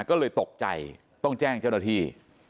ก็เลยตกใจต้องแจ้งเจ้าหน้าที่